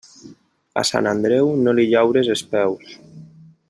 A Sant Andreu, no li llaures els peus.